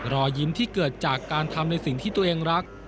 รอยยิ้มที่เกิดจากการทำในสิ่งที่ตัวเองรัก